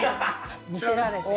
「魅せられて」。